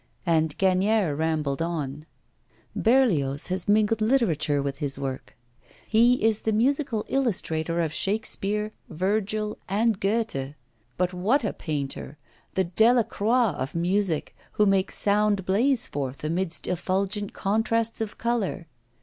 And Gagnière rambled on: 'Berlioz has mingled literature with his work. He is the musical illustrator of Shakespeare, Virgil, and Goethe. But what a painter! the Delacroix of music, who makes sound blaze forth amidst effulgent contrasts of colour.